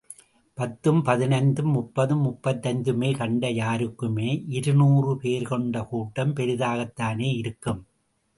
பத்தும் பதினைந்தும், முப்பதும் முப்பத்தைந்துமே கண்ட யாருக்குமே இருநூறு பேர் கொண்ட கூட்டம் பெரிதாகத்தானே இருக்கும்.